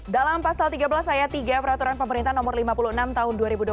dalam pasal tiga belas ayat tiga peraturan pemerintah nomor lima puluh enam tahun dua ribu dua puluh